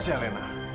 kamilah nggak jahat